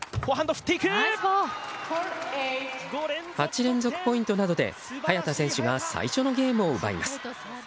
８連続ポイントなどで早田選手が最初のゲームを奪います。